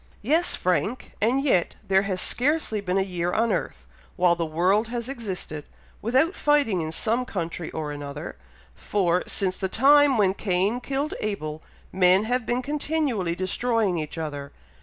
"Yes, Frank! and yet there has scarcely been a year on earth, while the world has existed, without fighting in some country or another, for, since the time when Cain killed Abel, men have been continually destroying each other.